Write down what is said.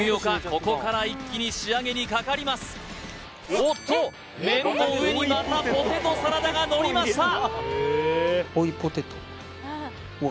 ここから一気に仕上げにかかりますおっと麺の上にまたポテトサラダがのりました